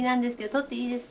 撮っていいですか？